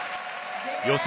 予選